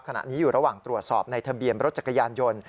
ขณะนี้อยู่ระหว่างตรวจสอบในทะเบียนรถจักรยานยนต์